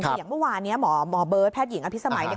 อย่างเมื่อวานหมอเบิร์ตแพทย์หญิงอภิษฐรรมัย